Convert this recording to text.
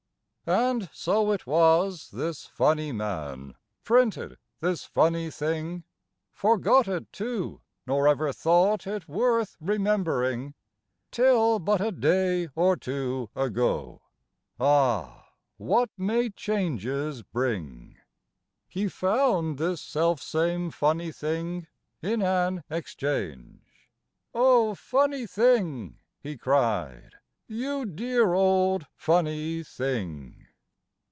And so it was this funny man Printed this funny thing Forgot it, too, nor ever thought It worth remembering, Till but a day or two ago. (Ah! what may changes bring!) He found this selfsame funny thing In an exchange "O, funny thing!" He cried, "You dear old funny thing!"